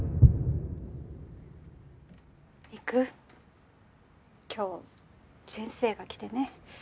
陸今日先生が来てね。